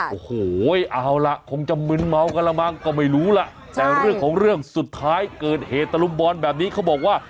โอ้โหเอาล่ะคงจะมึนเมากันแล้วมั้งก็ไม่รู้ล่ะแต่เรื่องของเรื่องสุดท้ายเกิดเหตุตะลุมบอลแบบนี้เขาบอกว่า